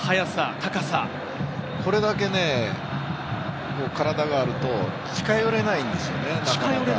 これだけ体があると近寄れないんですよね。